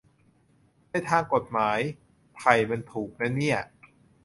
ในทางกฎหมาย ไผ่มันถูกนะเนี่ย